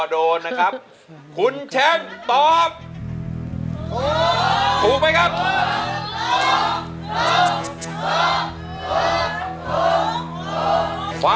ร้องด่านไวร่า